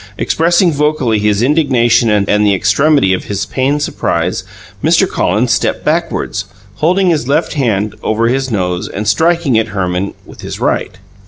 Expressing vocally his indignation and the extremity of his pained surprise, Mr. Collins stepped backward, holding his left hand over his nose, and striking at Herman with his right.